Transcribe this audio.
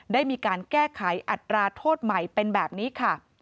ได้มีการแก้ไขอัตราโทษใหม่เป็นแบบนี้ค่ะ